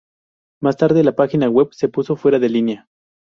Más tarde la página web se puso fuera de línea.